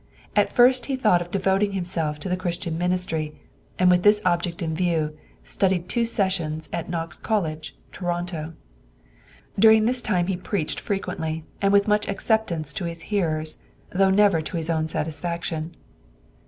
At first he thought of devoting himself to the Christian ministry, and with this object in view, studied two sessions in Knox College, Toronto. During this time he preached frequently and with much acceptance to his hearers, though never to his own satisfaction.